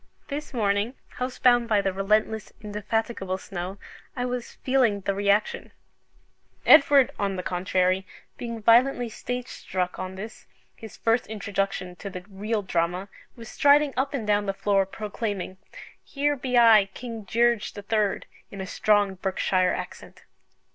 This morning, house bound by the relentless, indefatigable snow, I was feeling the reaction Edward, on the contrary, being violently stage struck on this his first introduction to the real Drama, was striding up and down the floor, proclaiming "Here be I, King Gearge the Third," in a strong Berkshire accent.